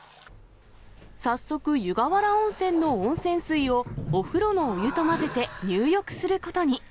早速、湯河原温泉の温泉水をお風呂のお湯と混ぜて、入浴することに。